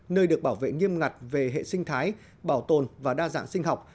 nơi được bảo vệ nghiêm ngặt về hệ sinh thái bảo tồn và đa dạng sinh học